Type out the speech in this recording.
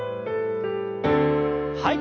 はい。